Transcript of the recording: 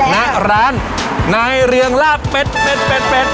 ณร้านนายเรืองลาดเป็ด